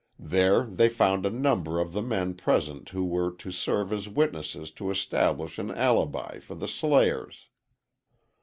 There they found a number of the men present who were to serve as witnesses to establish an alibi for the slayers.